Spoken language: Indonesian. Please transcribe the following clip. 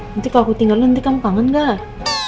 nanti kalau aku tinggal lo nanti kamu pangan gak